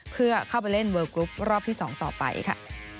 เพื่อเข้าไปเล่นเวอร์กรุ๊ปรอบที่๒ต่อไปค่ะ